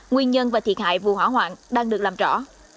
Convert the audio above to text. nguyên nhân và thiệt hại vụ hỏa hoạn đang được làm rõ